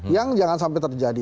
yang jangan sampai terjadi